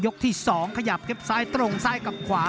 ยกที่สองขยับแค้นตรงซ้ายกับขวา